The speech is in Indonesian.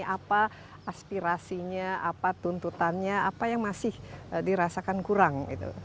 apa aspirasinya apa tuntutannya apa yang masih dirasakan kurang